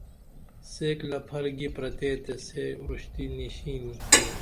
سیک لپہر گی پرتے تے سے اُرشتی نشینی